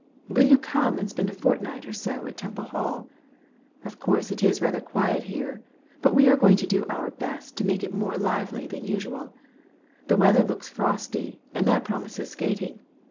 Will you come and spend a fortnight or so at Temple Hall? Of course it is rather quiet here, but we are going to do our best to make it more lively than usual. The weather looks frosty, and that promises skating.